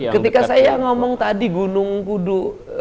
ketika saya ngomong tadi gunung kudu